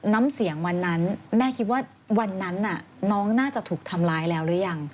น้ำเสียงวันนั้นแม่คิดว่าวันนั้นน้องน่าจะถูกทำร้ายแล้วหรือยัง